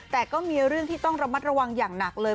แต่ก็มีเรื่องที่ต้องระมัดระวังอย่างหนักเลย